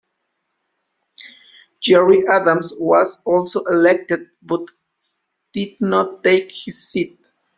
Gerry Adams was also elected, but did not take his seat.